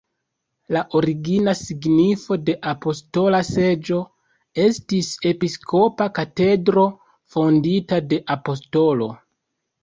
La origina signifo de "apostola seĝo" estis: episkopa katedro fondita de apostolo.